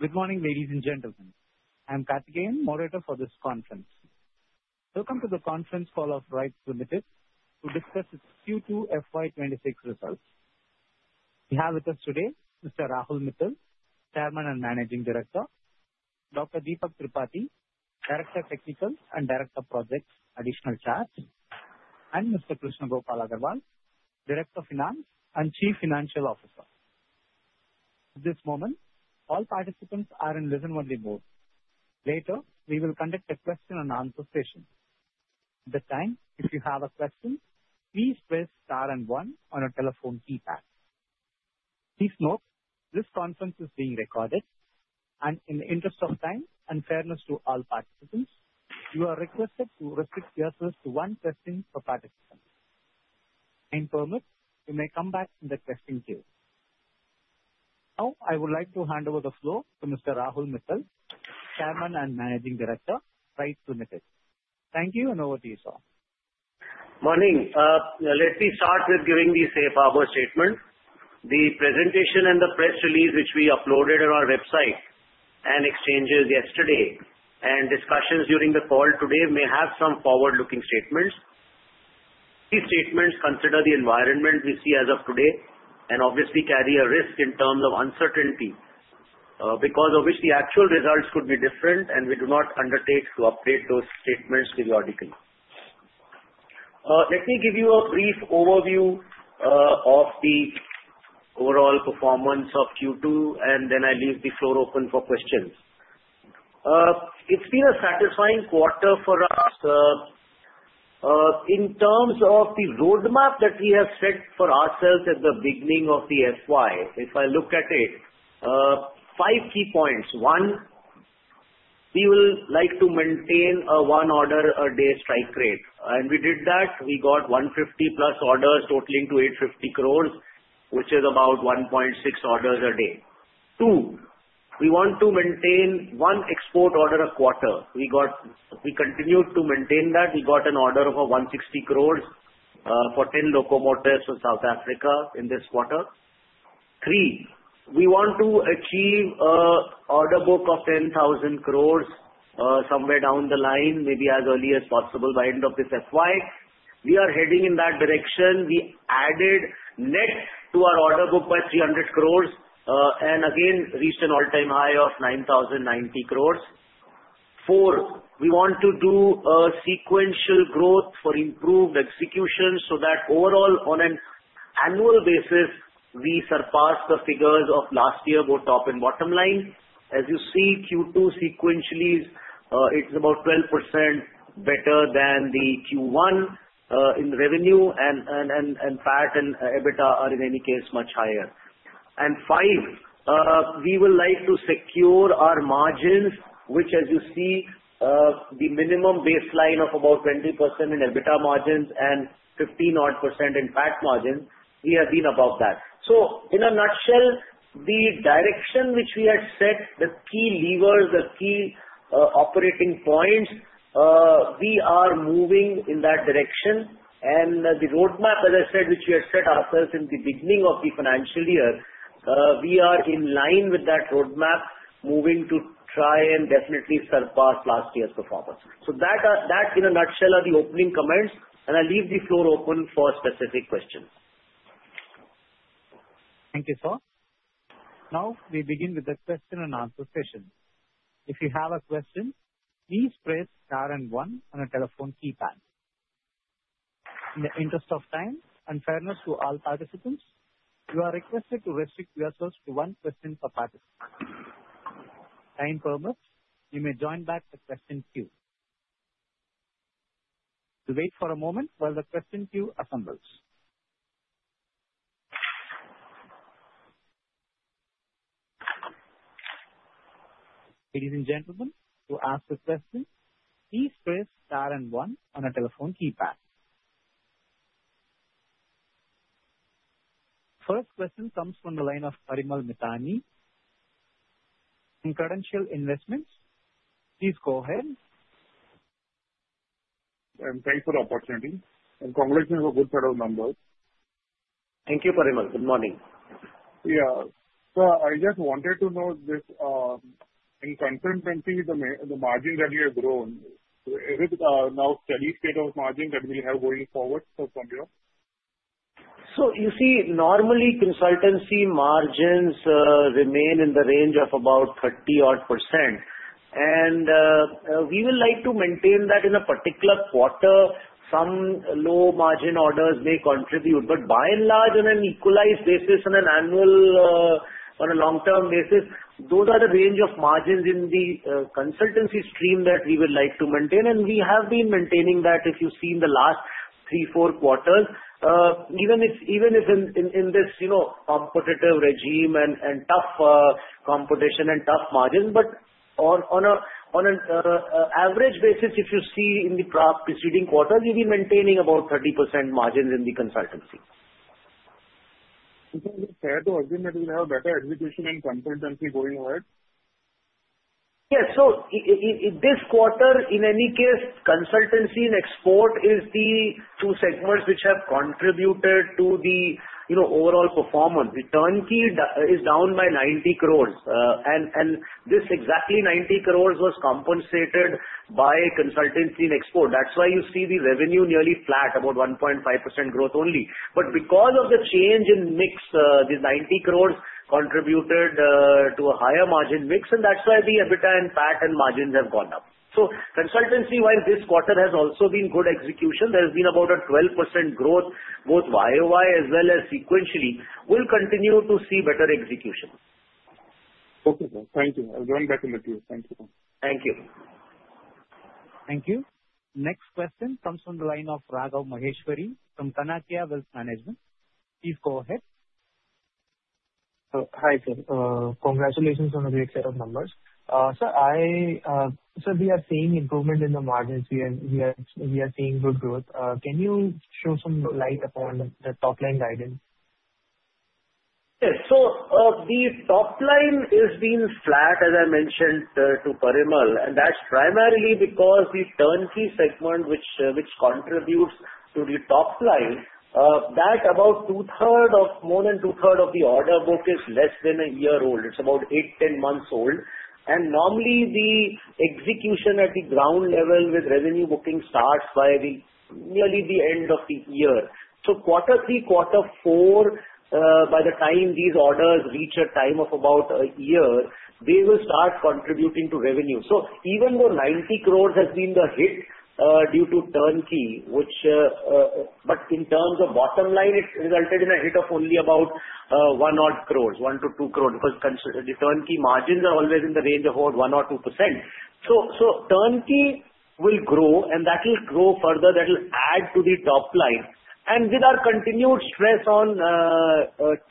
Good morning, ladies and gentlemen. I'm Karthikeyan, moderator for this conference. Welcome to the Conference Call of RITES Limited to discuss its Q2 FY 2026 Results. We have with us today Mr. Rahul Mithal, Chairman and Managing Director, Dr. Deepak Tripathi, Director of Technical and Director of Projects, Additional Charge, and Mr. Krishna Gopal Agarwal, Director of Finance and Chief Financial Officer. At this moment, all participants are in reserved mode. Later, we will conduct a question-and-answer session. At that time, if you have a question, please press Star and one on your telephone keypad. Please note, this conference is being recorded, and in the interest of time and fairness to all participants, you are requested to restrict yourselves to one question per participant. If time permits, you may come back in the question queue. Now, I would like to hand over the floor to Mr. Rahul Mithal, Chairman and Managing Director, RITES Limited. Thank you, and over to you, sir. Morning, let me start with giving the Safe Harbor Statement. The presentation and the press release which we uploaded on our website and exchanges yesterday, and discussions during the call today may have some forward-looking statements. These statements consider the environment we see as of today and obviously carry a risk in terms of uncertainty, because of which the actual results could be different, and we do not undertake to update those statements periodically. Let me give you a brief overview of the overall performance of Q2, and then I leave the floor open for questions. It's been a satisfying quarter for us. In terms of the roadmap that we have set for ourselves at the beginning of the FY, if I look at it, five key points. One, we would like to maintain a one-order-a-day strike rate, and we did that. We got 150+ orders totaling to 850 crore, which is about 1.6 orders a day. Two, we want to maintain one export order a quarter. We continued to maintain that. We got an order of 160 crore for 10 locomotives from South Africa in this quarter. Three, we want to achieve an order book of 10,000 crore somewhere down the line, maybe as early as possible by the end of this FY. We are heading in that direction. We added net to our order book by 300 crore, and again reached an all-time high of 9,090 crore. Four, we want to do a sequential growth for improved execution so that overall, on an annual basis, we surpass the figures of last year, both top and bottom line. As you see, Q2 sequentially, it's about 12% better than the Q1 in revenue, and PAT and EBITDA are, in any case, much higher. And five, we would like to secure our margins, which, as you see, the minimum baseline of about 20% in EBITDA margins and 15% in PAT margins, we have been above that. So, in a nutshell, the direction which we had set, the key levers, the key operating points, we are moving in that direction. And the roadmap, as I said, which we had set ourselves in the beginning of the financial year, we are in line with that roadmap, moving to try and definitely surpass last year's performance. So that, in a nutshell, are the opening comments, and I leave the floor open for specific questions. Thank you, sir. Now, we begin with the question-and-answer session. If you have a question, please press star and one on your telephone keypad. In the interest of time and fairness to all participants, you are requested to restrict yourselves to one question per participant. Time permits, you may join back the question queue. We'll wait for a moment while the question queue assembles. Ladies and gentlemen, to ask a question, please press Star and one on your telephone keypad. The first question comes from the line of Parimal Mithani from Credential Investments, please go ahead. I'm thankful for the opportunity, and congratulations for a good set of numbers. Thank you, Parimal. Good morning. Yeah. Sir, I just wanted to know this in Consultancy, the margins have grown. Is it now a steady state of margins that we'll have going forward from here? You see, normally, Consultancy margins remain in the range of about 30%. We would like to maintain that in a particular quarter. Some low-margin orders may contribute. By and large, on an equalized basis, on an annual, on a long-term basis, those are the range of margins in the Consultancy stream that we would like to maintain. We have been maintaining that, as you've seen, the last three, four quarters. Even if in this competitive regime and tough competition and tough margins, but on an average basis, if you see in the preceding quarters, we've been maintaining about 30% margins in the Consultancy. Isn't it fair to argue that we'll have better execution in Consultancy going ahead? Yes. So, in this quarter, in any case, Consultancy and Export is the two segments which have contributed to the overall performance. Turnkey is down by 90 crore, and this exactly 90 crore was compensated by Consultancy and Export. That's why you see the revenue nearly flat, about 1.5% growth only. But because of the change in mix, the 90 crore contributed to a higher margin mix, and that's why the EBITDA and PAT margins have gone up. So, Consultancy-wise, this quarter has also been good execution. There has been about a 12% growth, both YoY as well as sequentially, we'll continue to see better execution. Okay, sir. Thank you. I'll join back in the queue. Thank you. Thank you. Thank you. Next question comes from the line of Raghav Maheshwari from Chanakya Wealth Management. Please go ahead. Hi, sir. Congratulations on a great set of numbers. Sir, we are seeing improvement in the margins, we are seeing good growth. Can you show some light upon the top-line guidance? Yes. So, the top line has been flat, as I mentioned to Parimal, and that's primarily because the Turnkey segment, which contributes to the top line, that about 2/3 of more than 2/3 of the order book is less than a year old. It's about 8-10 months old, and normally, the execution at the ground level with revenue booking starts by nearly the end of the year, so, quarter three, quarter four, by the time these orders reach a time of about a year, they will start contributing to revenue. So, even though 90 crore has been the hit due to Turnkey, but in terms of bottom line, it resulted in a hit of only about 1 crore, 1- 2 crore, because the Turnkey margins are always in the range of about 1% or 2%. So, Turnkey will grow, and that will grow further. That will add to the top line. And with our continued stress on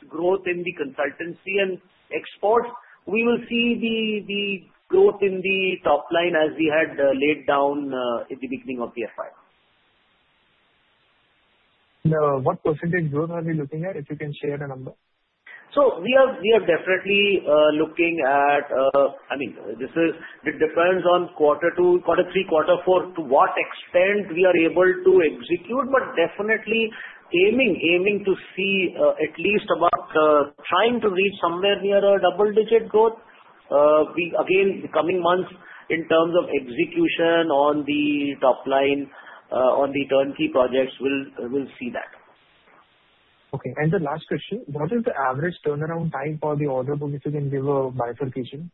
growth in the Consultancy and Exports, we will see the growth in the top line as we had laid down at the beginning of the FY. Now, what percentage growth are we looking at? If you can share a number? So, we are definitely looking at, I mean, it depends on quarter three, quarter four, to what extent we are able to execute, but definitely aiming to see at least about trying to reach somewhere near a double-digit growth. Again, coming months, in terms of execution on the top line, on the Turnkey projects, we'll see that. Okay. And the last question, what is the average turnaround time for the order book if you can give a bifurcation?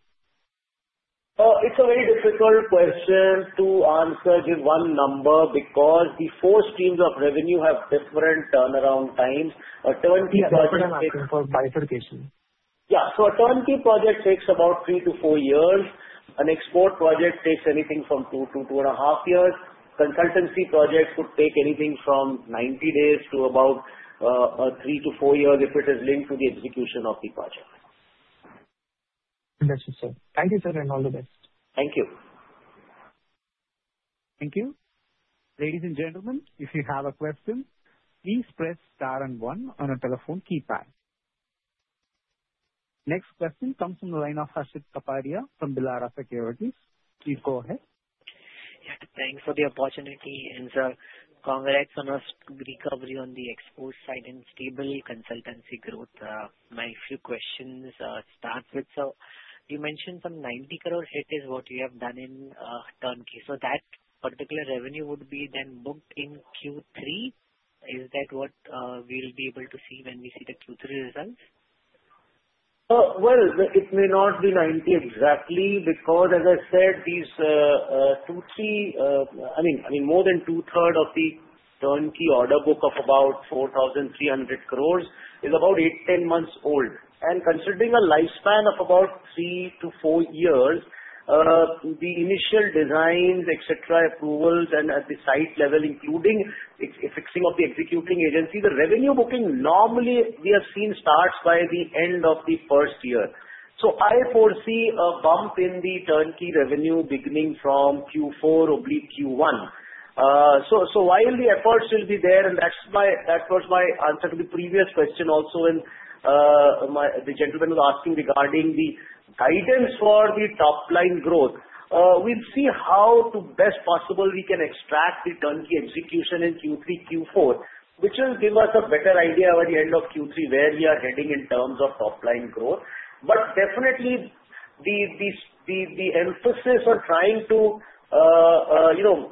It's a very difficult question to answer with one number because the four streams of revenue have different turnaround times, a Turnkey project takes. What's the bifurcation? Yeah. A Turnkey project takes about 3-4 years. An Export project takes anything from 2-2.5 years. Consultancy projects would take anything from 90 days to about 3-4 years if it is linked to the execution of the project. Understood, sir. Thank you, sir, and all the best. Thank you. Thank you. Ladies and gentlemen, if you have a question, please press star and one on your telephone keypad. Next question comes from the line of Harshit Kapadia from Elara Securities. Please go ahead. Yeah. Thanks for the opportunity. And sir, congrats on a recovery on the Export side and stable Consultancy growth. My few questions start with, sir, you mentioned some 90 crore hit is what you have done in Turnkey. So, that particular revenue would be then booked in Q3? Is that what we'll be able to see when we see the Q3 results? It may not be 90 exactly because, as I said, these two-three, I mean, more than 2/3 of the Turnkey order book of about 4,300 crore is about 8-10 months old. And considering a lifespan of about 3-4 years, the initial designs, etc., approvals, and at the site level, including fixing of the executing agency, the revenue booking normally we have seen starts by the end of the first year. So, I foresee a bump in the Turnkey revenue beginning from Q4/Q1. While the efforts will be there, and that was my answer to the previous question. Also, and the gentleman was asking regarding the guidance for the top-line growth, we'll see how to, to the best possible, we can extract the Turnkey execution in Q3, Q4. Which will give us a better idea by the end of Q3 where we are heading in terms of top-line growth. But definitely, the emphasis on trying to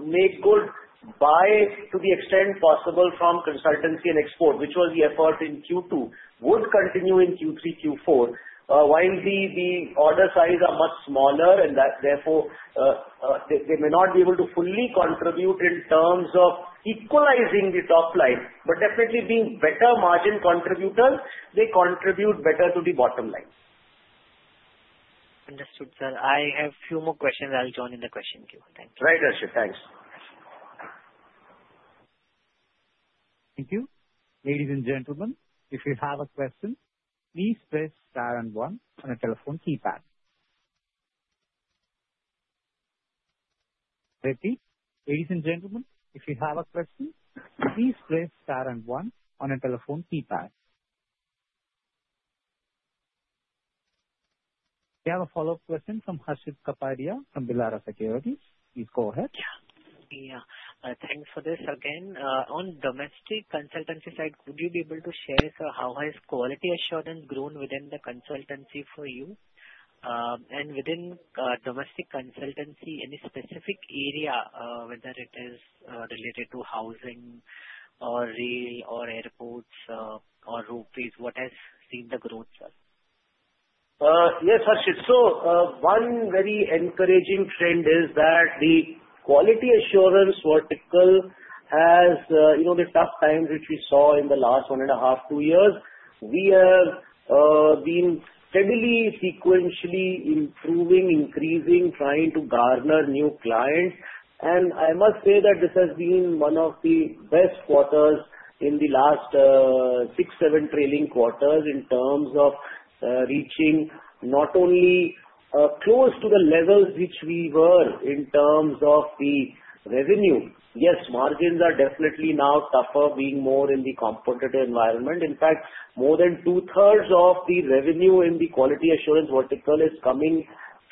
make good by to the extent possible from Consultancy and Export, which was the effort in Q2, would continue in Q3, Q4, while the order size is much smaller, and therefore, they may not be able to fully contribute in terms of equalizing the top line. But definitely, being better margin contributors, they contribute better to the bottom line. Understood, sir. I have a few more questions, I'll join in the question queue, thank you. Right, Harshit. Thanks. Thank you. Ladies and gentlemen, if you have a question, please press Star and one on your telephone keypad. I repeat, ladies and gentlemen, if you have a question, please press Star and one on your telephone keypad. We have a follow-up question from Harshit Kapadia from Elara Securities. Please go ahead. Yeah. Thanks for this again, on domestic Consultancy side, would you be able to share, sir, how has quality assurance grown within the Consultancy for you? And within domestic Consultancy, any specific area, whether it is related to housing, or rail, or airports, or roadways, what has seen the growth, sir? Yes, Harshit. One very encouraging trend is that the quality assurance vertical has the tough times which we saw in the last 1.5-2 years. We have been steadily, sequentially improving, increasing, trying to garner new clients. I must say that this has been one of the best quarters in the last 6-7 trailing quarters in terms of reaching not only close to the levels which we were in terms of the revenue. Yes, margins are definitely now tougher, being more in the competitive environment. In fact, more than 2/3 of the revenue in the quality assurance vertical is coming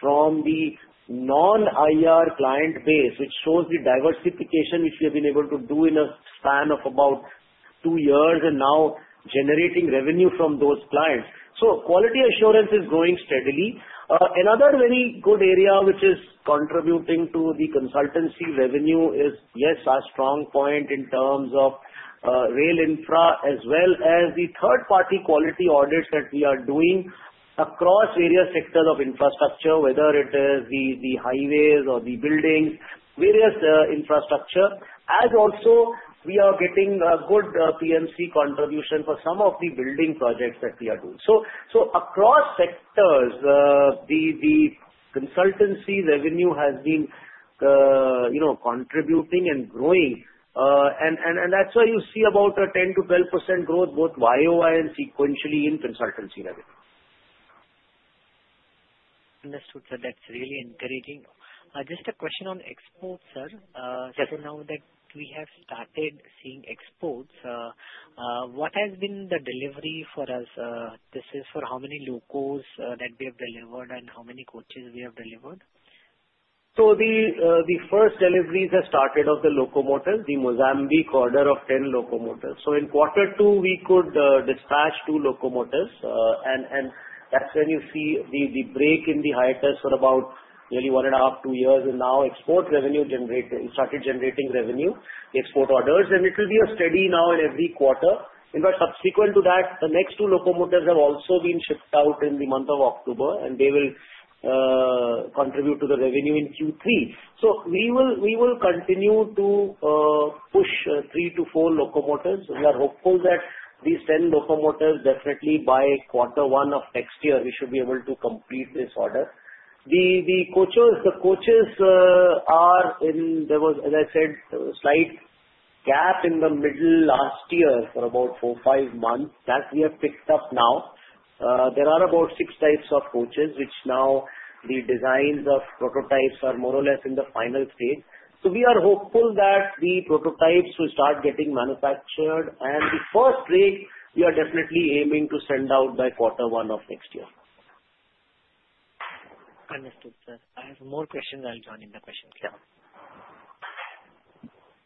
from the non-IR client base, which shows the diversification which we have been able to do in a span of about 2 years and now generating revenue from those clients. Quality assurance is growing steadily. Another very good area which is contributing to the Consultancy revenue is, yes, a strong point in terms of rail infra as well as the third-party quality audits that we are doing across various sectors of infrastructure, whether it is the highways or the buildings, various infrastructure. As also, we are getting good PMC contribution for some of the building projects that we are doing. Across sectors, the Consultancy revenue has been contributing and growing. That's why you see about a 10%-12% growth, both YoY and sequentially in Consultancy revenue. Understood, sir. That's really encouraging. Just a question on exports, sir. Yes. Now that we have started seeing exports, what has been the delivery for us? This is for how many locos that we have delivered and how many coaches we have delivered? The first deliveries have started of the locomotives, the Mozambique order of 10 locomotives. So, in quarter two, we could dispatch two locomotives. And that's when you see the break in the hiatus for about nearly 1.5-2 years. And now, export revenue started generating revenue, export orders. And it will be a steady now in every quarter. In fact, subsequent to that, the next 2 locomotives have also been shipped out in the month of October, and they will contribute to the revenue in Q3. So, we will continue to push 3-4 locomotives. We are hopeful that these 10 locomotives definitely by quarter one of next year, we should be able to complete this order. The coaches, the coaches are in, as I said, a slight gap in the middle last year for about 4-5 months. That we have picked up now. There are about six types of coaches, which now the designs of prototypes are more or less in the final stage. So, we are hopeful that the prototypes will start getting manufactured. And the first rake, we are definitely aiming to send out by quarter one of next year. Understood, sir. I have more questions, I'll join in the question queue.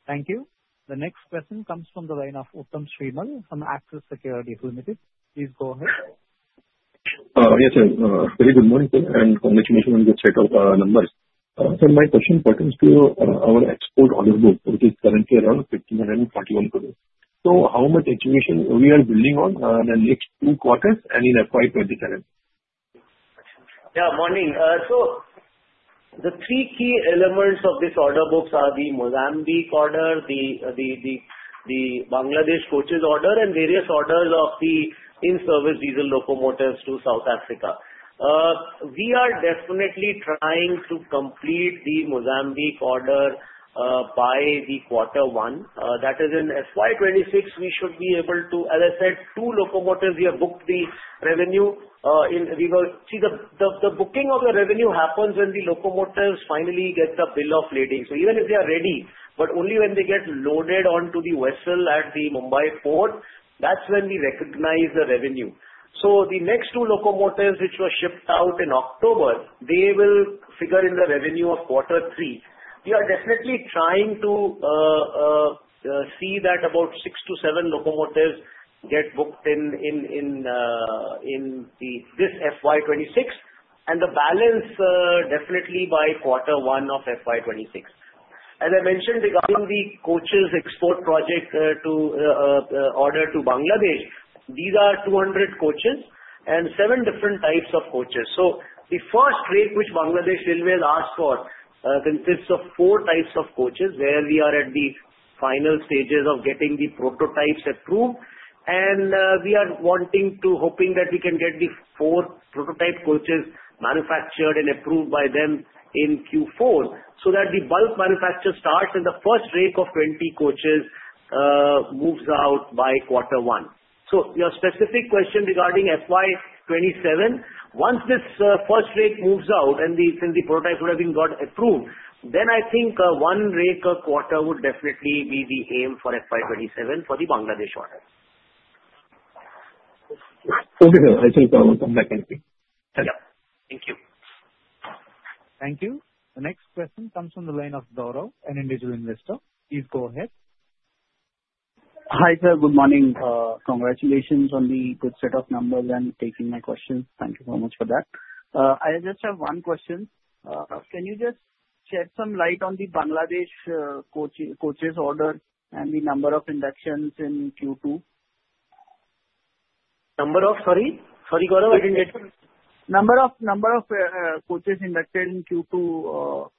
Thank you. The next question comes from the line of Uttam Srimal from Axis Securities Limited. Please go ahead. Yes, sir. Very good morning, sir, and congratulations on the set of numbers. Sir, my question pertains to our export order book, which is currently around 1,541 crore. So, how much execution are we building on in the next two quarters and in FY 2027? Yeah. Morning. So, the three key elements of this order books are the Mozambique order, the Bangladesh coaches order, and various orders of the in-service diesel locomotives to South Africa. We are definitely trying to complete the Mozambique order by the quarter one. That is, in FY 2026, we should be able to, as I said, 2 locomotives we have booked the revenue in. See, the booking of the revenue happens when the locomotives finally get the Bill of Lading. So, even if they are ready, but only when they get loaded onto the vessel at the Mumbai port, that's when we recognize the revenue. So, the next 2 locomotives, which were shipped out in October, they will figure in the revenue of quarter three. We are definitely trying to see that about 6-7 locomotives get booked in this FY 2026. The balance definitely by quarter one of FY 2026. As I mentioned regarding the coaches export project order to Bangladesh, these are 200 coaches and seven different types of coaches. The first rake which Bangladesh Railways asked for consists of four types of coaches, where we are at the final stages of getting the prototypes approved. We are wanting to, hoping that we can get the 4 prototype coaches manufactured and approved by them in Q4 so that the bulk manufacture starts and the first rake of 20 coaches moves out by quarter one. Your specific question regarding FY 2027, once this first rake moves out and the prototypes would have been approved, then I think one rake per quarter would definitely be the aim for FY 2027 for the Bangladesh orders. Okay, sir. I think I will come back and see. Yeah. Thank you. Thank you. The next question comes from the line of Gaurav, an individual investor. Please go ahead. Hi, sir. Good morning. Congratulations on the good set of numbers and taking my questions. Thank you so much for that. I just have one question. Can you just shed some light on the Bangladesh coaches order and the number of inductions in Q2? Number of, sorry? Sorry, Gaurav, I didn't get you. Number of coaches inducted in Q2,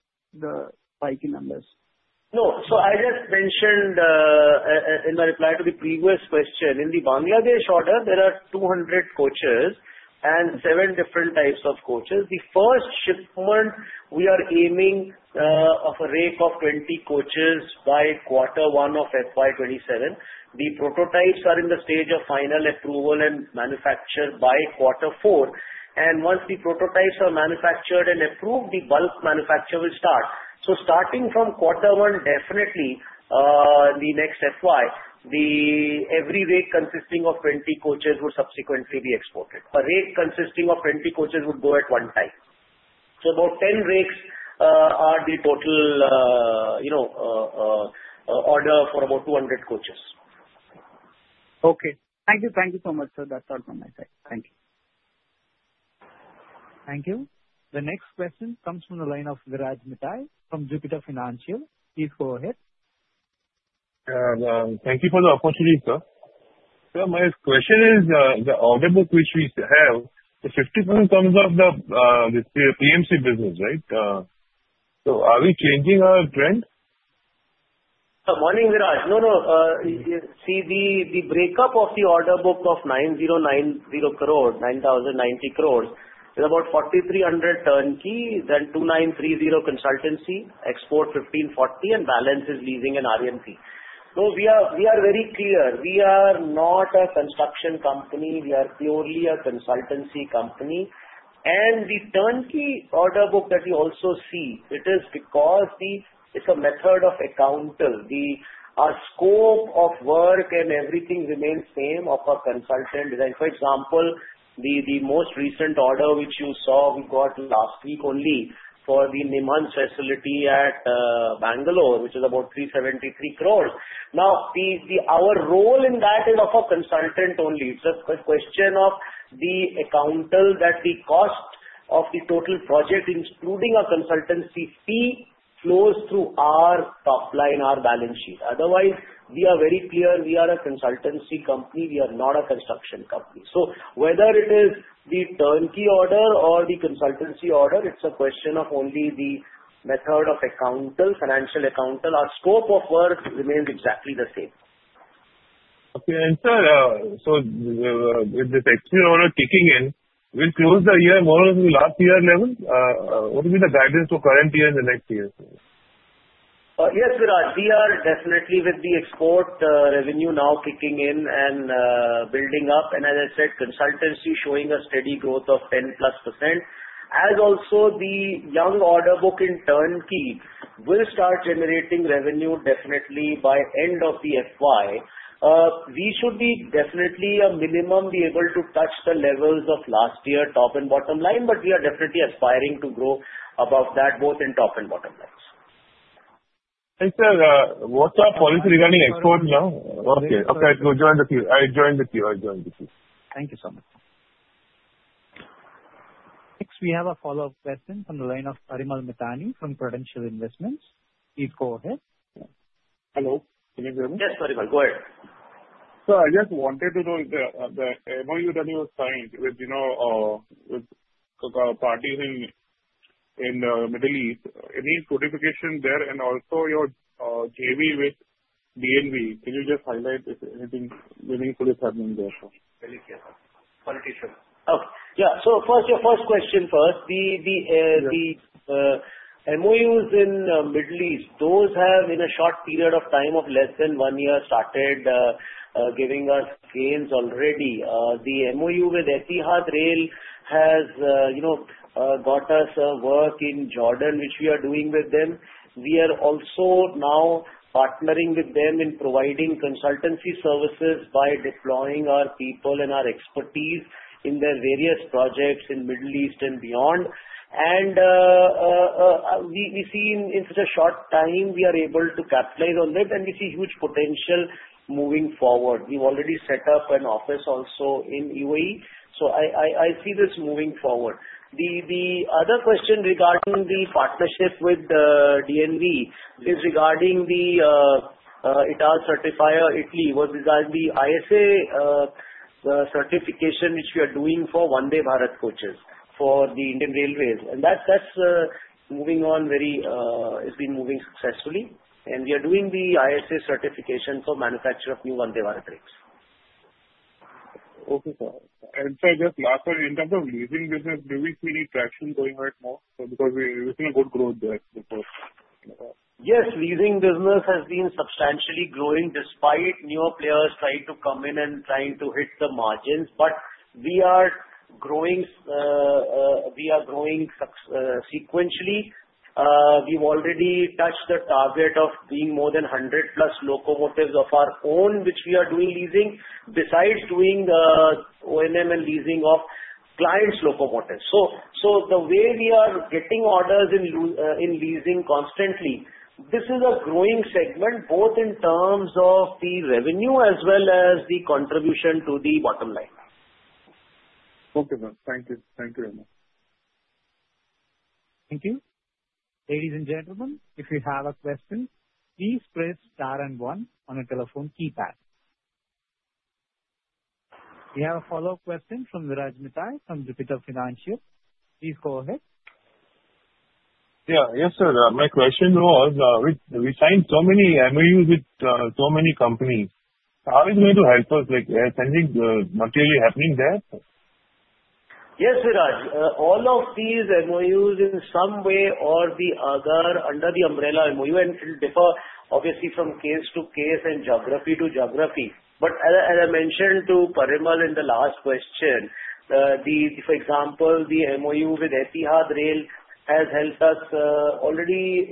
the spiky numbers. No. So, I just mentioned in my reply to the previous question, in the Bangladesh order, there are 200 coaches and 7 different types of coaches. The first shipment we are aiming for a rake of 20 coaches by quarter one of FY 2027. The prototypes are in the stage of final approval and manufacture by quarter four. And once the prototypes are manufactured and approved, the bulk manufacture will start. So, starting from quarter one, definitely the next FY, the every rake consisting of 20 coaches would subsequently be exported. A rake consisting of 20 coaches would go at one time. So, about 10 rakes are the total order for about 200 coaches. Okay. Thank you. Thank you so much, sir. That's all from my side. Thank you. Thank you. The next question comes from the line of Viraj Mithani from Jupiter Financial. Please go ahead. Thank you for the opportunity, sir. Sir, my question is, the order book which we have, the 50% comes of the PMC business, right? So, are we changing our trend? Morning, Viraj. No, no. See, the breakup of the order book of 9,090 crore, 9,090 crore, is about 4,300 crore Turnkey and 2,930 crore Consultancy, Export 1,540 crore, and balance is Leasing and R&P. So, we are very clear. We are not a construction company, we are purely a Consultancy company. And the turnkey order book that you also see, it is because it's a method of accounting. Our scope of work and everything remains same of a consultant. For example, the most recent order which you saw, we got last week only for the NIMHANS facility at Bangalore, which is about 373 crore. Now, our role in that is of a consultant only. It's a question of the accounting that the cost of the total project, including our Consultancy fee, flows through our top line, our balance sheet. Otherwise, we are very clear. We are a consultancy company, we are not a construction company. So, whether it is the Turnkey order or the Consultancy order, it's a question of only the method of accounting, financial accounting. Our scope of work remains exactly the same. Okay. And, sir, so with this exchange order kicking in, we'll close the year more or less on the last year level. What will be the guidance for current year and the next year? Yes, Viraj. We are definitely with the export revenue now kicking in and building up. And as I said, consultancy showing a steady growth of 10%+. As also, the new order book in turnkey will start generating revenue definitely by end of the FY. We should be definitely, at minimum, be able to touch the levels of last year, top and bottom line. But we are definitely aspiring to grow above that, both in top and bottom lines. Sir, what's our policy regarding export now? Okay. I join the queue, I join the queue. Thank you so much. Next, we have a follow-up question from the line of Parimal Mithani from Credential Investments. Please go ahead. Hello. Can you hear me? Yes, Parimal. Go ahead. Sir, I just wanted to know, the MOU that you signed with parties in the Middle East, any certification there? And also, your JV with DNV, can you just highlight if anything meaningful is happening there, sir? Okay. Yeah. So, first, your first question first. The MoUs in the Middle East, those have, in a short period of time of less than one year, started giving us gains already. The MoU with Etihad Rail has got us work in Jordan, which we are doing with them. We are also now partnering with them in providing consultancy services by deploying our people and our expertise in their various projects in the Middle East and beyond. And we see, in such a short time, we are able to capitalize on it, and we see huge potential moving forward. We've already set up an office also in UAE. So, I see this moving forward. The other question regarding the partnership with DNV is regarding the Italcertifer Italy. This is the ISA certification, which we are doing for Vande Bharat coaches for the Indian Railways. That's moving on very. It's been moving successfully. We are doing the ISA certification for manufacture of new Vande Bharat rakes. Okay, sir, and sir, just last one. In terms of leasing business, do we see any traction going ahead now? Because we're seeing good growth there. Yes. Leasing business has been substantially growing despite newer players trying to come in and trying to hit the margins. But we are growing sequentially. We've already touched the target of being more than 100+ locomotives of our own, which we are doing leasing, besides doing O&M and leasing of clients' locomotives. So, the way we are getting orders in leasing constantly, this is a growing segment, both in terms of the revenue as well as the contribution to the bottom line. Okay, sir. Thank you. Thank you very much. Thank you. Ladies and gentlemen, if you have a question, please press star and one on the telephone keypad. We have a follow-up question from Viraj Mithani from Jupiter Financial. Please go ahead. Yeah. Yes, sir. My question was, we signed so many MoUs with so many companies. How are you going to help us? We are sending, not really happening there. Yes, Viraj. All of these MoUs, in some way or the other, under the Umbrella MoU, and it will differ, obviously, from case to case and geography to geography. But as I mentioned to Parimal in the last question, for example, the MoU with Etihad Rail has helped us already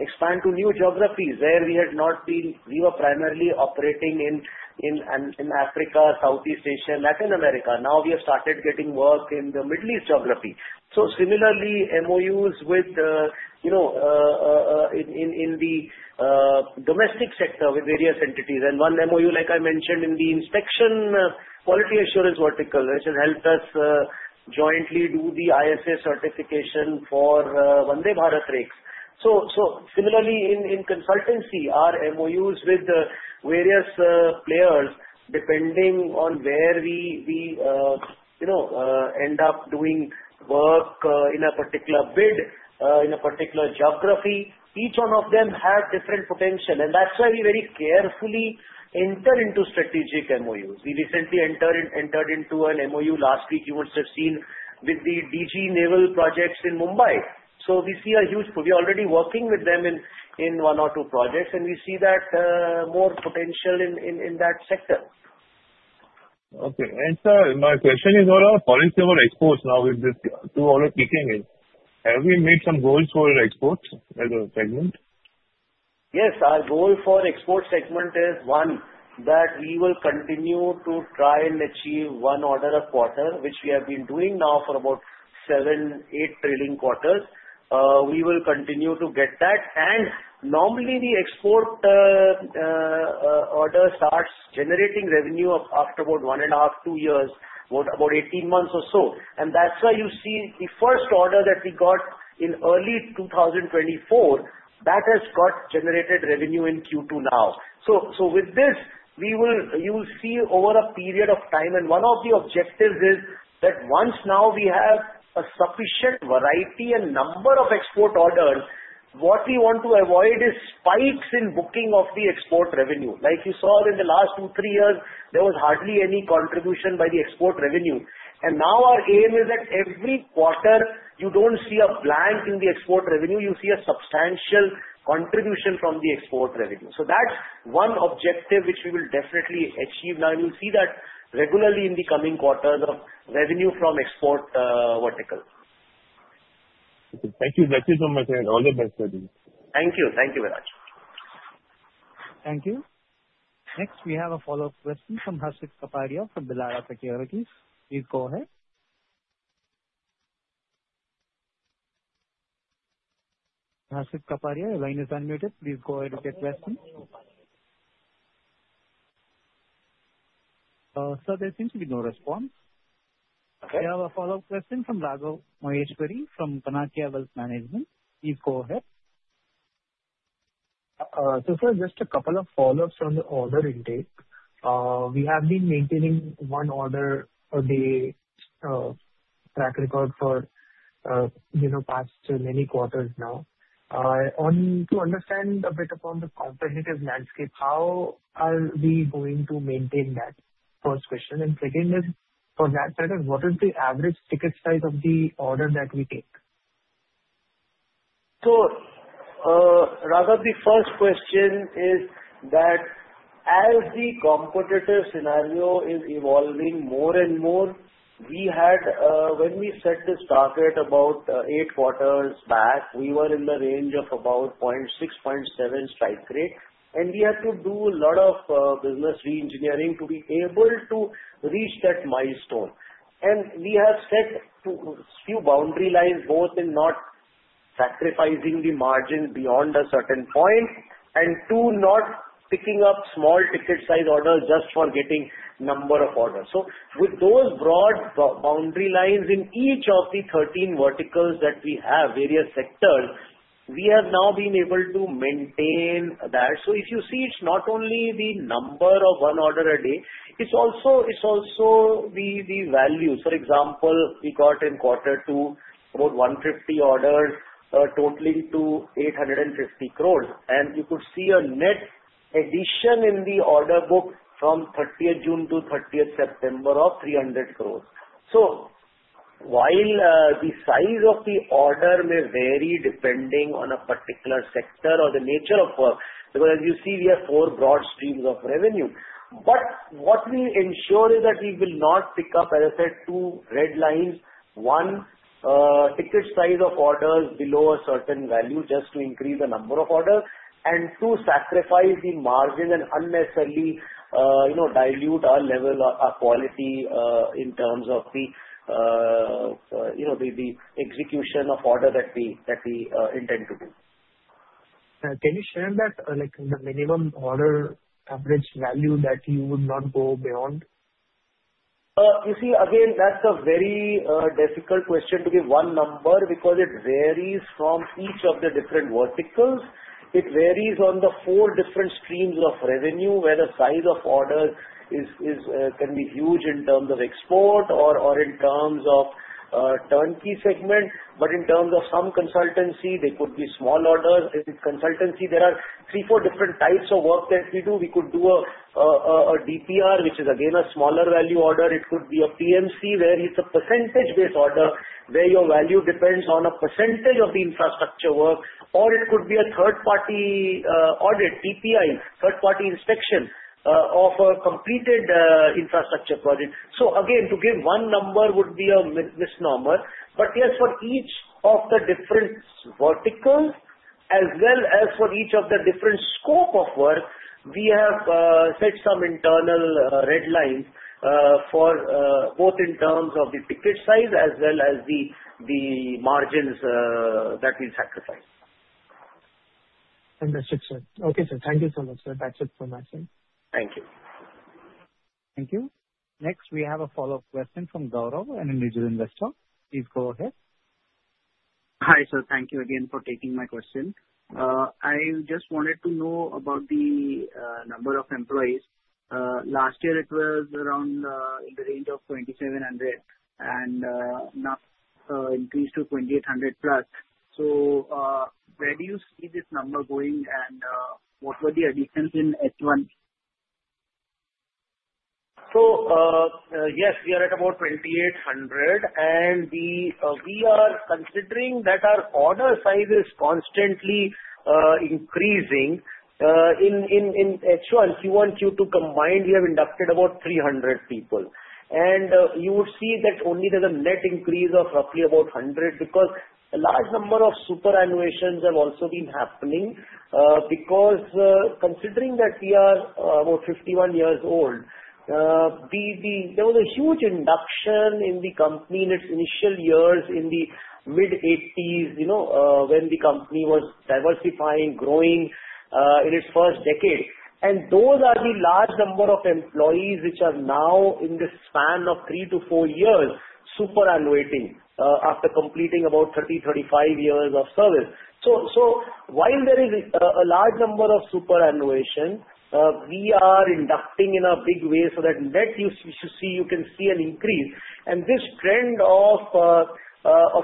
expand to new geographies where we had not been. We were primarily operating in Africa, Southeast Asia, Latin America. Now, we have started getting work in the Middle East geography. So, similarly, MoUs in the domestic sector with various entities. And one MoU, like I mentioned, in the inspection quality assurance vertical, which has helped us jointly do the ISA certification for Vande Bharat rakes. So, similarly, in consultancy, our MoUs with various players, depending on where we end up doing work in a particular bid, in a particular geography, each one of them has different potential. That's why we very carefully enter into strategic MoUs. We recently entered into an MoU last week. You must have seen with the DG Naval Projects in Mumbai. We see a huge. We are already working with them in one or two projects, and we see more potential in that sector. Okay. And, sir, my question is about our policy on exports now. Till now, speaking in, have we made some goals for Exports as a segment? Yes. Our goal for Export segment is, one, that we will continue to try and achieve one order a quarter, which we have been doing now for about 7-8 trailing quarters, we will continue to get that. And normally, the export order starts generating revenue after about 1.5-2 years, about 18 months or so. And that's why you see the first order that we got in early 2024, that has got generated revenue in Q2 now. So, with this, you will see over a period of time. And one of the objectives is that once now we have a sufficient variety and number of export orders, what we want to avoid is spikes in booking of the export revenue. Like you saw in the last 2-3 years, there was hardly any contribution by the export revenue. Now our aim is that every quarter, you don't see a blank in the export revenue. You see a substantial contribution from the export revenue. So, that's one objective which we will definitely achieve. Now, you'll see that regularly in the coming quarters of revenue from export vertical. Thank you. Thank you so much, sir. All the best, sir. Thank you. Thank you, Viraj. Thank you. Next, we have a follow-up question from Harshit Kapadia from Elara Securities. Please go ahead. Harshit Kapadia, your line is unmuted. Please go ahead and get questions. Sir, there seems to be no response. We have a follow-up question from Raghav Maheshwari from Chanakya Wealth Management. Please go ahead. So, sir, just a couple of follow-ups on the order intake. We have been maintaining one order a day track record for past many quarters now. To understand a bit upon the competitive landscape, how are we going to maintain that? First question, and second is, for that matter, what is the average ticket size of the order that we take? Raghav, the first question is that as the competitive scenario is evolving more and more, when we set this target about eight quarters back, we were in the range of about 0.6-0.7 strike rate. We had to do a lot of business re-engineering to be able to reach that milestone. We have set a few boundary lines, both in not sacrificing the margin beyond a certain point and not picking up small ticket size orders just for getting number of orders. With those broad boundary lines in each of the 13 verticals that we have, various sectors, we have now been able to maintain that. If you see, it's not only the number of one order a day. It's also the value. For example, we got in quarter two about 150 orders totaling to 850 crore. You could see a net addition in the order book from 30th June to 30th September of 300 crore. So, while the size of the order may vary depending on a particular sector or the nature of work, because as you see, we have four broad streams of revenue. But what we ensure is that we will not pick up, as I said, two red lines. One, ticket size of orders below a certain value just to increase the number of orders. And two, sacrifice the margin and unnecessarily dilute our level of quality in terms of the execution of order that we intend to do. Can you share that minimum order average value that you would not go beyond? You see, again, that's a very difficult question to give one number because it varies from each of the different verticals. It varies on the four different streams of revenue where the size of orders can be huge in terms of Export or in terms of Turnkey segment. But in terms of some consultancy, they could be small orders. In consultancy, there are three, four different types of work that we do. We could do a DPR, which is again a smaller value order. It could be a PMC, where it's a percentage-based order where your value depends on a percentage of the infrastructure work. Or it could be a third-party audit, TPI, third-party inspection of a completed infrastructure project. So, again, to give one number would be a misnomer. But yes, for each of the different verticals, as well as for each of the different scope of work, we have set some internal red lines both in terms of the ticket size as well as the margins that we sacrifice. Understood, sir. Okay sir, thank you so much, sir. That's it from my side. Thank you. Thank you. Next, we have a follow-up question from Gaurav, an individual investor. Please go ahead. Hi, sir. Thank you again for taking my question. I just wanted to know about the number of employees. Last year, it was around in the range of 2,700 and now increased to 2,800+. So, where do you see this number going and what were the additions in H1? So, yes, we are at about 2,800. And we are considering that our order size is constantly increasing. In H1, if you want you to combine, we have inducted about 300 people. And you would see that only there's a net increase of roughly about 100 because a large number of superannuation have also been happening. Because considering that we are about 51 years old, there was a huge induction in the company in its initial years in the mid-80s when the company was diversifying, growing in its first decade. And those are the large number of employees which are now, in the span of 3-4 years, superannuating after completing about 30-35 years of service. So, while there is a large number of superannuation, we are inducting in a big way so that net you can see an increase. This trend of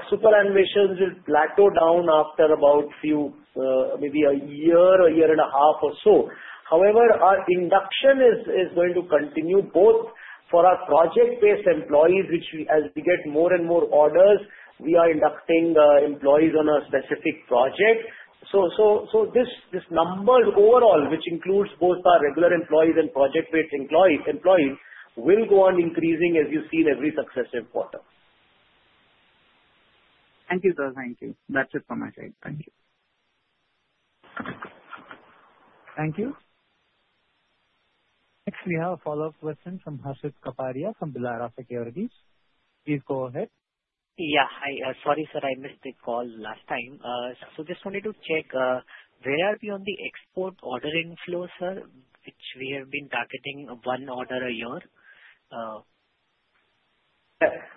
superannuation will plateau down after about maybe a year or a year and a half or so. However, our induction is going to continue both for our project-based employees, which as we get more and more orders, we are inducting employees on a specific project. This number overall, which includes both our regular employees and project-based employees, will go on increasing, as you see, in every successive quarter. Thank you, sir. Thank you. That's it from my side. Thank you. Thank you. Next, we have a follow-up question from Harshit Kapadia from Elara Securities. Please go ahead. Yeah. Hi. Sorry, sir, I missed the call last time. So, just wanted to check, where are we on the export order inflow, sir, which we have been targeting one order a year?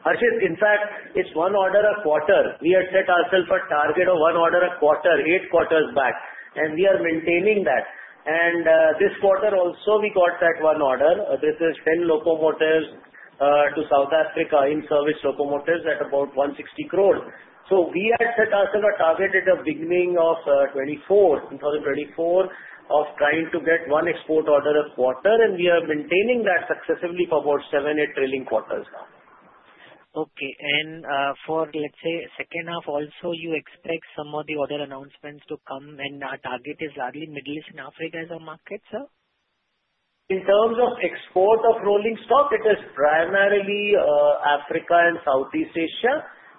Harshit, in fact, it's one order a quarter. We had set ourselves a target of one order a quarter, eight quarters back. And we are maintaining that. And this quarter also, we got that one order. This is 10 locomotives to South Africa, in-service locomotives at about 160 crore. So, we had set ourselves a target at the beginning of 2024 of trying to get one export order a quarter. And we are maintaining that successively for about 7-8 trailing quarters now. Okay. And for, let's say, second half also, you expect some of the other announcements to come, and our target is largely Middle East and Africa as our market, sir? In terms of export of rolling stock, it is primarily Africa and Southeast Asia,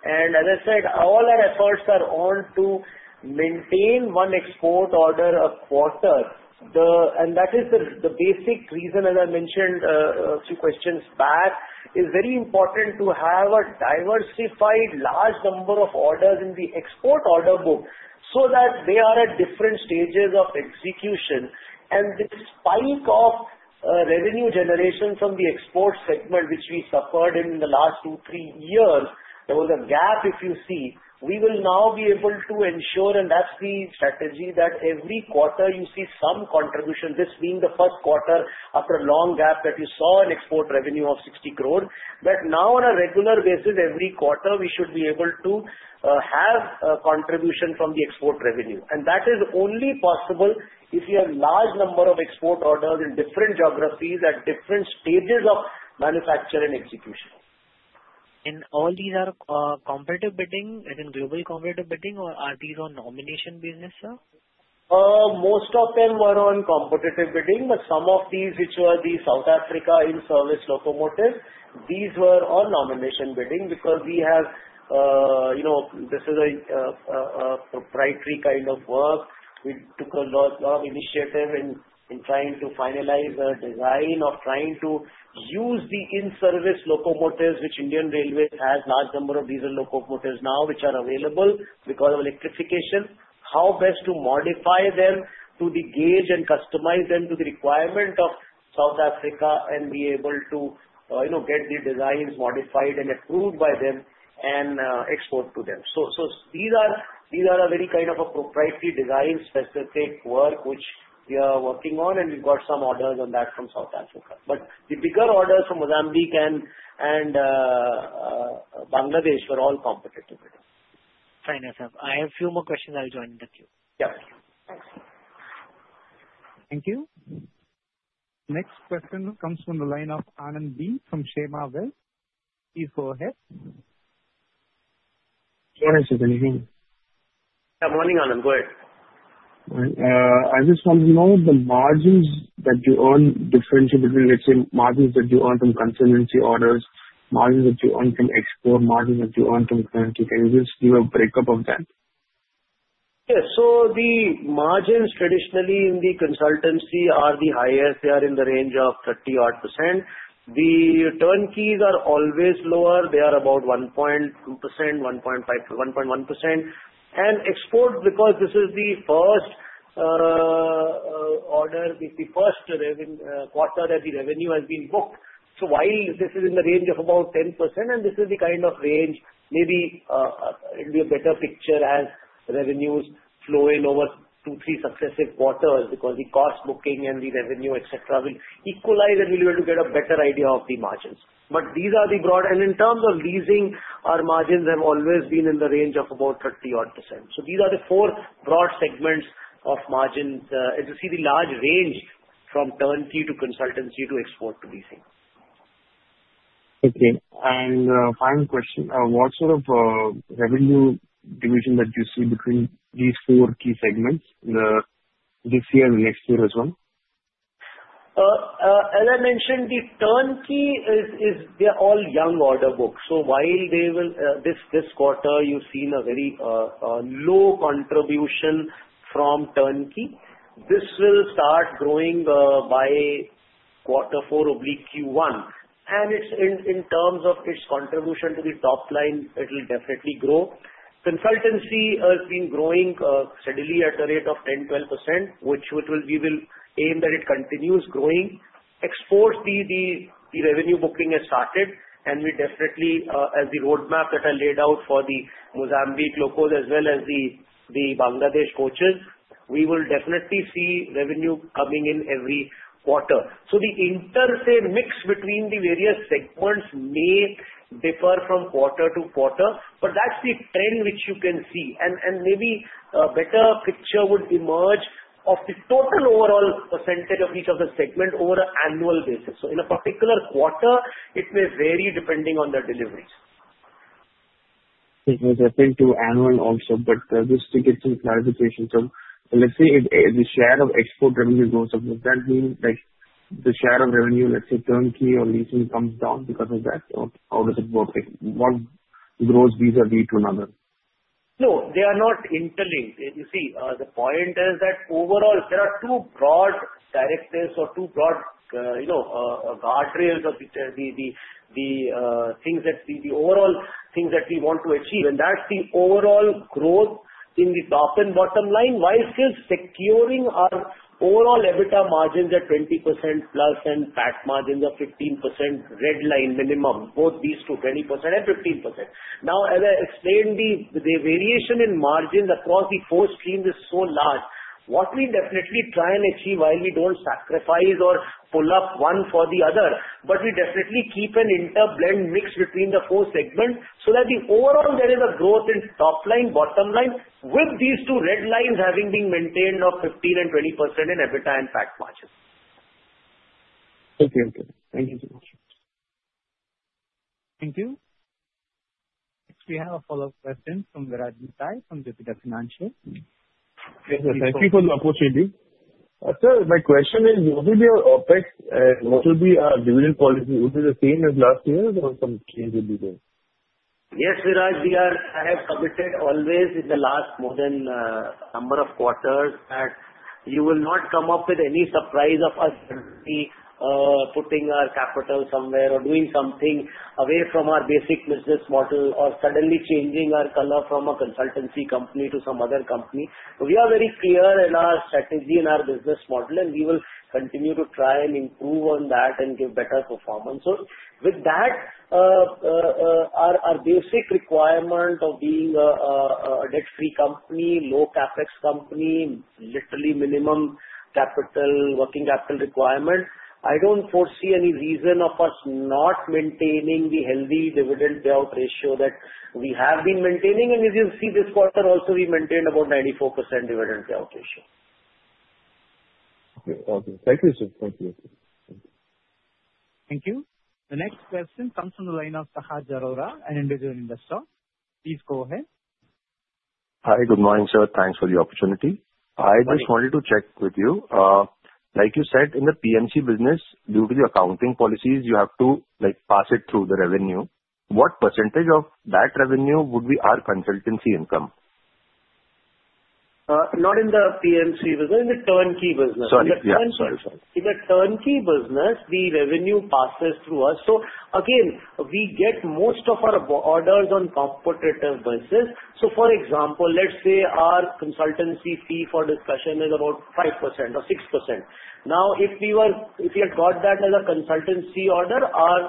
and as I said, all our efforts are on to maintain one export order a quarter, and that is the basic reason, as I mentioned a few questions back. It's very important to have a diversified large number of orders in the export order book so that they are at different stages of execution, and this spike of revenue generation from the Export segment, which we suffered in the last 2-3 years. There was a gap, if you see. We will now be able to ensure, and that's the strategy, that every quarter you see some contribution. This being the first quarter after a long gap that you saw an export revenue of 60 crore, but now, on a regular basis, every quarter, we should be able to have a contribution from the export revenue. That is only possible if you have a large number of export orders in different geographies at different stages of manufacture and execution. All these are competitive bidding as in global competitive bidding, or are these on nomination business, sir? Most of them were on competitive bidding, but some of these, which were the South Africa in-service locomotives, these were on nomination bidding because we have this is a proprietary kind of work. We took a lot of initiative in trying to finalize a design of trying to use the in-service locomotives, which Indian Railways has a large number of diesel locomotives now, which are available because of electrification. How best to modify them to the gauge and customize them to the requirement of South Africa and be able to get the designs modified and approved by them and export to them, so these are a very kind of a proprietary design-specific work, which we are working on, and we've got some orders on that from South Africa, but the bigger orders from Mozambique and Bangladesh were all competitive. Fair enough, sir. I have a few more questions, I'll join the queue. Yeah. Thank you. Next question comes from the line of Anand B from KSEMA Wealth. Please go ahead. Sir, can you hear me? Good morning, Anand. Go ahead. I just want to know the margins that you earn, differentiate between, let's say, margins that you earn from Consultancy orders, margins that you earn from Export, margins that you earn from Turnkey. Can you just give a break-up of that? Yes. So, the margins traditionally in the Consultancy are the highest. They are in the range of 30%. The Turnkeys are always lower. They are about 1.2%-1.1%. And Export, because this is the first order, the first quarter that the revenue has been booked. So, while this is in the range of about 10%, and this is the kind of range, maybe it'll be a better picture as revenues flow in over two, three successive quarters because the cost booking and the revenue, etc., will equalize and we'll be able to get a better idea of the margins. But these are the broad bands in terms of Leasing, our margins have always been in the range of about 30%. So, these are the four broad segments of margins. As you see, the large range from Turnkey to Consultancy to Export to Leasing. Okay, and final question. What sort of revenue division that you see between these 4 key segments this year and next year as well? As I mentioned, the turnkey is they're all young order books. So, while this quarter, you've seen a very low contribution from turnkey, this will start growing by quarter four / Q1. And in terms of its contribution to the top line, it'll definitely grow. Consultancy has been growing steadily at a rate of 10%-12%, which we will aim that it continues growing. Exports, the revenue booking has started. And we definitely, as the roadmap that I laid out for the Mozambique locomotives as well as the Bangladesh coaches, we will definitely see revenue coming in every quarter. So, the inter se mix between the various segments may differ from quarter-to-quarter. But that's the trend which you can see. And maybe a better picture would emerge of the total overall percentage of each of the segments over an annual basis. So, in a particular quarter, it may vary depending on the deliveries. It may depend to annual also, but just to get some clarification. So, let's say the share of Export revenue grows up. Does that mean the share of revenue, let's say Turnkey or Leasing, comes down because of that? Or how does it work? What grows vis-à-vis to another? No, they are not interlinked. You see, the point is that overall, there are two broad directors or two broad guardrails of the things that the overall things that we want to achieve. And that's the overall growth in the top and bottom line, while still securing our overall EBITDA margins at 20%+ and PAT margins of 15% red line minimum, both these to 20% and 15%. Now, as I explained, the variation in margins across the four streams is so large. What we definitely try and achieve while we don't sacrifice or pull up one for the other, but we definitely keep an inter-blend mix between the four segments so that overall there is a growth in top line, bottom line, with these two red lines having been maintained of 15% and 20% in EBITDA and PAT margins. Okay. Okay, thank you so much. Thank you. Next, we have a follow-up question from Viraj Mithani from Jupiter Financial. Thank you for the opportunity. Sir, my question is, what will be our OpEx and what will be our dividend policy? Will it be the same as last year or some change will be there? Yes, Viraj. I have committed always in the last more than a number of quarters that you will not come up with any surprise of us suddenly putting our capital somewhere or doing something away from our basic business model or suddenly changing our color from a consultancy company to some other company. We are very clear in our strategy and our business model, and we will continue to try and improve on that and give better performance. So, with that, our basic requirement of being a debt-free company, low CapEx company, literally minimum working capital requirement, I don't foresee any reason of us not maintaining the healthy dividend payout ratio that we have been maintaining. And as you see, this quarter also, we maintained about 94% dividend payout ratio. Okay. Okay, thank you, sir, thank you. Thank you. The next question comes from the line of Sahir Arora, an individual investor. Please go ahead. Hi. Good morning, sir. Thanks for the opportunity. I just wanted to check with you. Like you said, in the PMC business, due to the accounting policies, you have to pass it through the revenue. What percentage of that revenue would be our consultancy income? Not in the PMC business. In the turnkey business. Sorry. In the Turnkey business, the revenue passes through us. So, again, we get most of our orders on competitive basis. So, for example, let's say our consultancy fee for discussion is about 5% or 6%. Now, if we had got that as a Consultancy order, our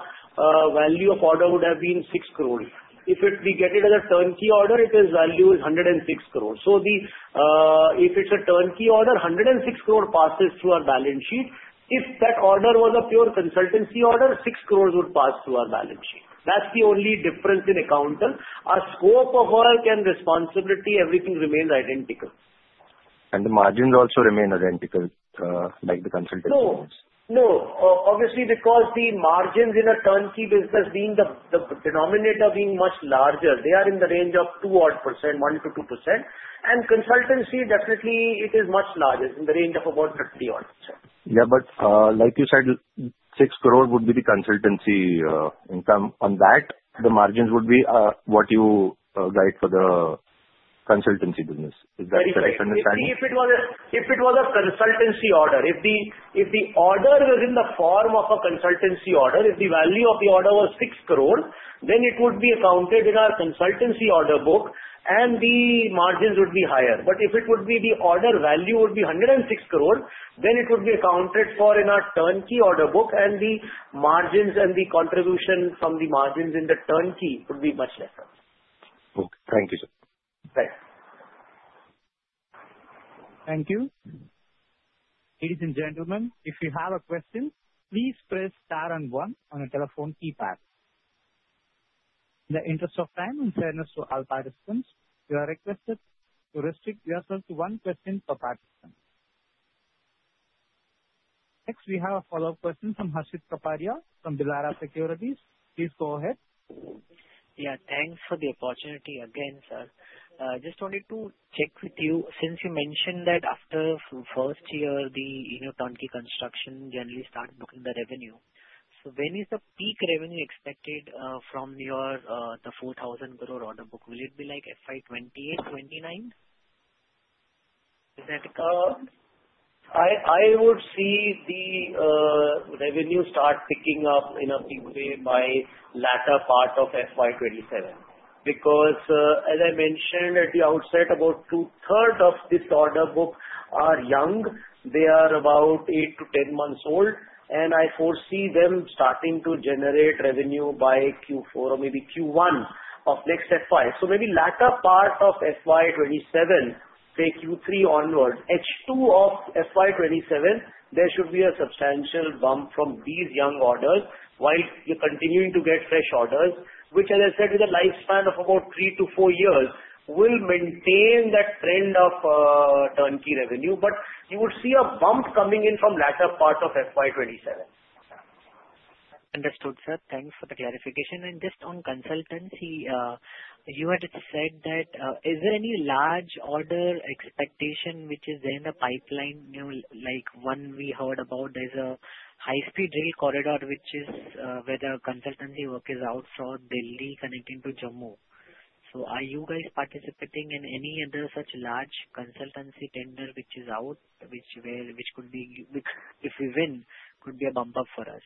value of order would have been 6 crore. If we get it as a turnkey order, its value is 106 crore. So, if it's a Turnkey order, 106 crore passes through our balance sheet. If that order was a pure Consultancy order, 6 crore would pass through our balance sheet. That's the only difference in accounting. Our scope of work and responsibility, everything remains identical. The margins also remain identical like the Consultancy ones? No. No. Obviously, because the margins in a Turnkey business, the denominator being much larger, they are in the range of 2%, 1%-2%, and Consultancy, definitely, it is much larger, in the range of about 30%. Yeah. But like you said, 6 crore would be the Consultancy income. On that, the margins would be what you guide for the Consultancy business. Is that correct understanding? Very correct. If it was a Consultancy order, if the order was in the form of a Consultancy order, if the value of the order was 6 crore, then it would be accounted in our Consultancy order book, and the margins would be higher. But if the order value would be 106 crore, then it would be accounted for in our Turnkey order book, and the margins and the contribution from the margins in the Turnkey would be much lesser. Okay. Thank you, sir. Thanks. Thank you. Ladies and gentlemen, if you have a question, please press Star and one on the telephone keypad. In the interest of time and fairness to all participants, we are requested to restrict yourself to one question per participant. Next, we have a follow-up question from Harshit Kapadia from Elara Securities. Please go ahead. Yeah. Thanks for the opportunity again, sir. Just wanted to check with you. Since you mentioned that after first year, the turnkey construction generally starts booking the revenue, so when is the peak revenue expected from your 4,000 crore order book? Will it be like FY 2028, FY 2029? Is that? I would see the revenue start picking up in a peak way by latter part of FY 2027 because, as I mentioned at the outset, about 2/3 of this order book are young. They are about 8-10 months old, and I foresee them starting to generate revenue by Q4 or maybe Q1 of next FY. So maybe latter part of FY 2027, say Q3 onward, H2 of FY 2027, there should be a substantial bump from these young orders, while you're continuing to get fresh orders, which, as I said, with a lifespan of about 3-4 years, will maintain that trend of turnkey revenue. But you would see a bump coming in from latter part of FY 2027. Understood, sir. Thanks for the clarification. And just on Consultancy, you had said that is there any large order expectation which is there in the pipeline? Like one we heard about, there's a high-speed rail corridor which is where the consultancy work is out for Delhi connecting to Jammu. So are you guys participating in any other such large Consultancy tender which is out, which could be, if we win, could be a bump up for us?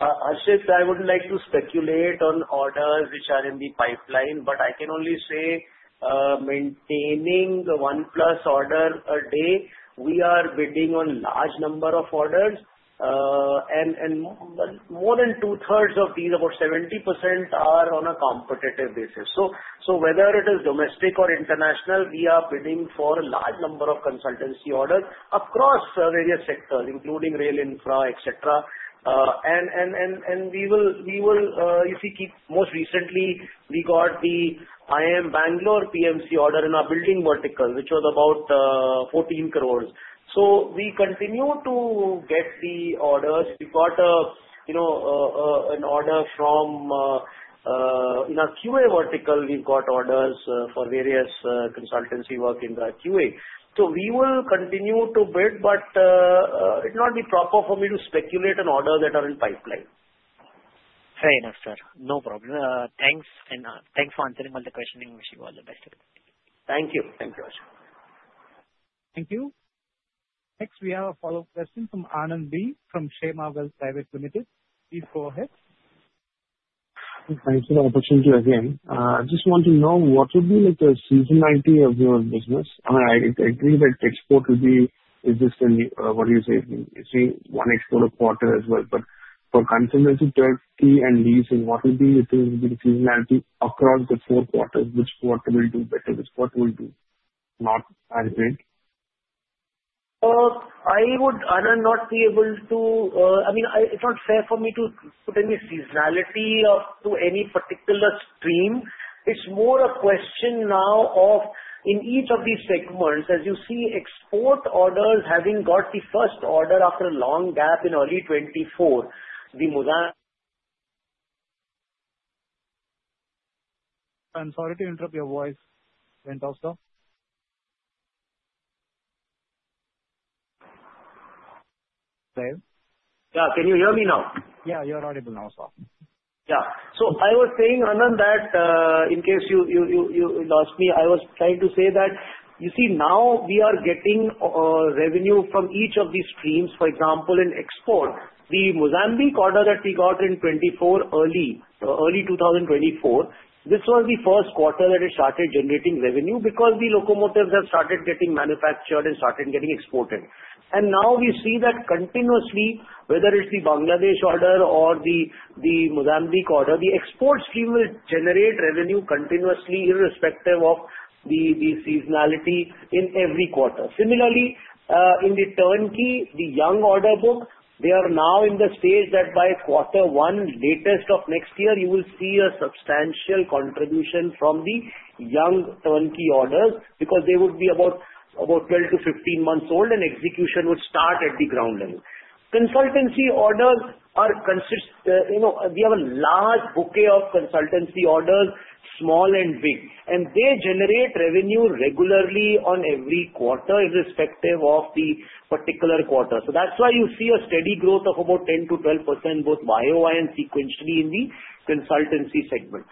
Harshit, I wouldn't like to speculate on orders which are in the pipeline, but I can only say maintaining the 1+ order a day, we are bidding on a large number of orders. More than 2/3 of these, about 70%, are on a competitive basis. Whether it is domestic or international, we are bidding for a large number of Consultancy orders across various sectors, including rail infra, etc. We will. If you keep most recently, we got the IIM Bangalore PMC order in our building vertical, which was about 14 crore. We continue to get the orders. We've got an order from in our QA vertical. We've got orders for various consultancy work in the QA. We will continue to bid, but it's not proper for me to speculate on orders that are in pipeline. Fair enough, sir. No problem. Thanks. And thanks for answering all the questions, you were the best. Thank you. Thank you, Harshit. Thank you. Next, we have a follow-up question from Anand B from KSEMA Wealth Private Limited. Please go ahead. Thanks for the opportunity again. I just want to know what would be the seasonality of your business? I mean, I agree that Export will be existing, what do you say? You say one Export a quarter as well. But for Consultancy, Turnkey, and Leasing, what would be the seasonality across the four quarters? Which quarter will do better? Which quarter will do not as big? I would, Anand, not be able to, I mean, it's not fair for me to put any seasonality to any particular stream. It's more a question now of in each of these segments, as you see Export orders having got the first order after a long gap in early 2024, the. I'm sorry to interrupt. Your voice went off, sir. Yeah. Can you hear me now? Yeah. You're audible now, sir. Yeah. So I was saying, Anand, that in case you lost me, I was trying to say that you see now we are getting revenue from each of these streams. For example, in Export, the Mozambique order that we got in 2024, early 2024, this was the first quarter that it started generating revenue because the locomotives have started getting manufactured and started getting exported. And now we see that continuously, whether it's the Bangladesh order or the Mozambique order, the Export stream will generate revenue continuously, irrespective of the seasonality in every quarter. Similarly, in the Turnkey, the young order book, they are now in the stage that by quarter one, latest of next year, you will see a substantial contribution from the young Turnkey orders because they would be about 12-15 months old, and execution would start at the ground level. Consultancy orders, we have a large bouquet of Consultancy orders, small and big. They generate revenue regularly on every quarter, irrespective of the particular quarter. That's why you see a steady growth of about 10%-12%, both YoY and sequentially, in the Consultancy segment.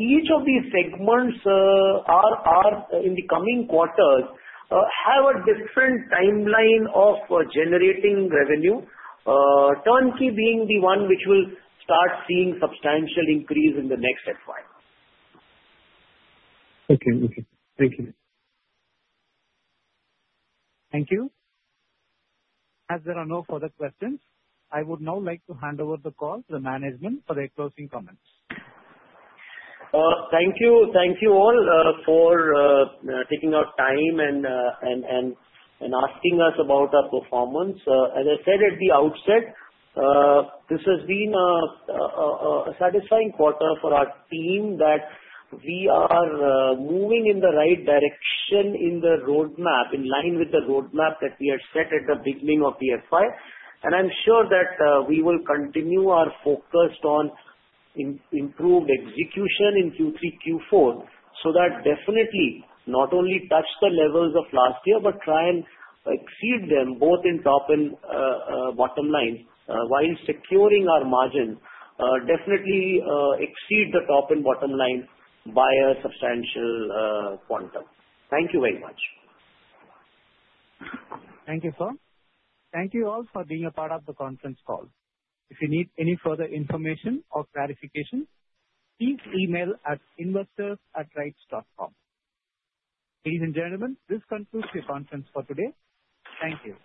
Each of these segments in the coming quarters have a different timeline of generating revenue, Turnkey being the one which will start seeing substantial increase in the next FY. Okay, okay, thank you. Thank you. As there are no further questions, I would now like to hand over the call to the management for their closing comments. Thank you, thank you all for taking our time and asking us about our performance. As I said at the outset, this has been a satisfying quarter for our team, that we are moving in the right direction in the roadmap, in line with the roadmap that we had set at the beginning of the FY. And I'm sure that we will continue our focus on improved execution in Q3, Q4 so that definitely not only touch the levels of last year, but try and exceed them both in top and bottom line. While securing our margins, definitely exceed the top and bottom line by a substantial quantum. Thank you very much. Thank you, sir. Thank you all for being a part of the conference call. If you need any further information or clarification, please email at investors@rites.com. Ladies and gentlemen, this concludes the conference for today. Thank you.